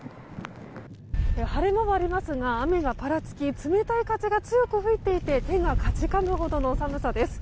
晴れ間はありますが雨がぱらつき冷たい風が強く吹いていて手がかじかむほどの寒さです。